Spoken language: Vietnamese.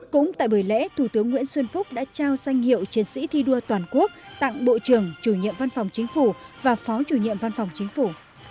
cũng tại buổi lễ thủ tướng nguyễn xuân phúc đã trao danh hiệu chiến sĩ thi đua toàn quốc tặng bộ trưởng chủ nhiệm văn phòng chính phủ và phó chủ nhiệm văn phòng chính phủ